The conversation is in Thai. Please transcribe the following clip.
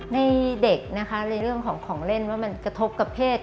เด็กนะคะในเรื่องของของเล่นว่ามันกระทบกับเพศ